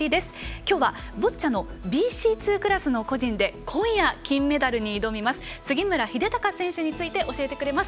きょうはボッチャのＢＣ２クラスの個人で今夜金メダルに挑みます杉村英孝選手について教えてくれます。